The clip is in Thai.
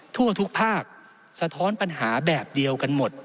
ทั่วทุกภาคสะท้อนปัญหาแบบเดียวกันหมด